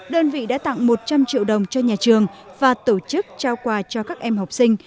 đơn vị đã tặng một trăm linh triệu đồng cho nhà trường và tổ chức trao quà cho các em học sinh